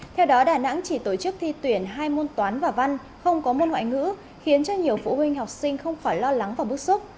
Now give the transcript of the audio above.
theo đó đà nẵng chỉ tổ chức thi tuyển hai môn toán và văn không có môn ngoại ngữ khiến cho nhiều phụ huynh học sinh không khỏi lo lắng và bức xúc